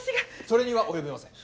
それには及びません。